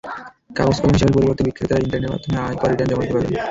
কাগজ-কলমে হিসাবের পরিবর্তে, বিক্রেতারা ইন্টারনেটের মাধ্যমে আয়কর রিটার্ন জমা দিতে পারবেন।